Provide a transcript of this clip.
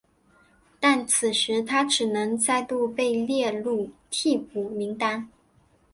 但此时他只能再度被列入替补名单。